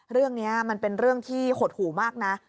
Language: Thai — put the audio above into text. เรื่องนี้มันเป็นเรื่องที่หดหูมากนะ